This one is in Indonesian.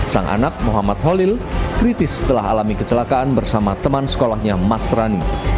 sang anak muhammad holil kritis setelah alami kecelakaan bersama teman sekolahnya mas rani